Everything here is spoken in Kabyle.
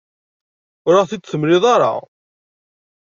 Ur aɣ-t-id-temliḍ ara.